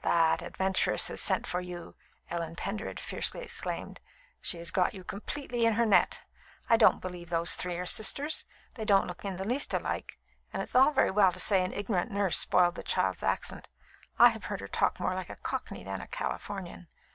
"That adventuress has sent for you!" Ellen Pendered fiercely exclaimed. "She has got you completely in her net. I don't believe those three are sisters. They don't look in the least alike, and it is all very well to say an ignorant nurse spoiled the child's accent. I have heard her talk more like a Cockney than a Californian.